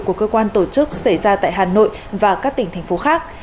của cơ quan tổ chức xảy ra tại hà nội và các tỉnh thành phố khác